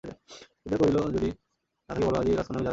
বৃদ্ধা কহিল যদি প্রয়োজন থাকে বল, আজিই আমি রাজকন্যাকে জানাইয়া আসি।